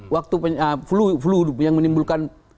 waktu flu yang menimbulkan